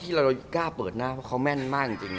พี่เจ้านะกล้าเปิดหน้าว่ามันแม่นมากจริง